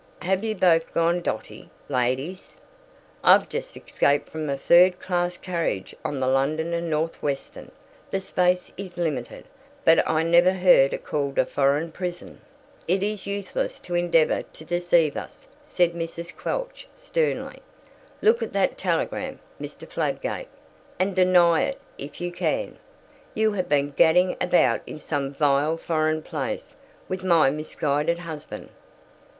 Have you both gone dotty, ladies? I've just escaped from a third class carriage on the London and Northwestern. The space is limited, but I never heard it called a foreign prison." "It is useless to endeavour to deceive us," said Mrs. Quelch, sternly. "Look at that telegram, Mr. Fladgate, and deny it if you can. You have been gadding about in some vile foreign place with my misguided husband."